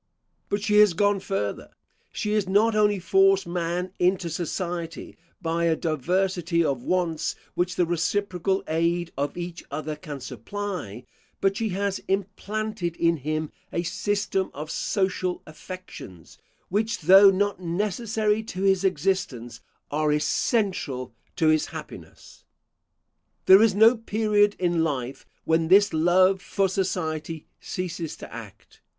But she has gone further. She has not only forced man into society by a diversity of wants which the reciprocal aid of each other can supply, but she has implanted in him a system of social affections, which, though not necessary to his existence, are essential to his happiness. There is no period in life when this love for society ceases to act.